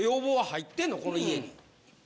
この家に。